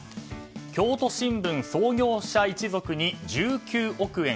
京都新聞創業者一族に１９億円。